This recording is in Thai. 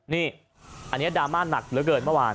นี่อันนี้ดราม่าหนักเหลือเกินเมื่อวาน